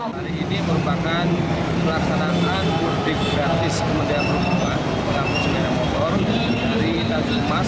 hari ini merupakan pelaksanaan mudik gratis